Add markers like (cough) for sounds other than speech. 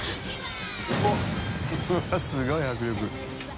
うわっすごい迫力 (laughs)